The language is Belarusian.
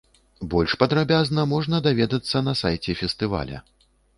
Больш падрабязна можна даведацца на сайце фестываля.